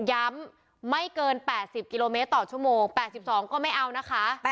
ย้ำไม่เกิน๘๐กิโลเมตรต่อชั่วโมง๘๒ก็ไม่เอานะคะ